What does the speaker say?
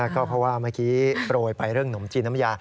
ก็เพราะว่าเมื่อกี้โปรยไปเรื่องหนมจีนน้ำยา